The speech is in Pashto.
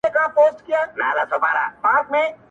دا به ټوله حاضریږي په میدان کي٫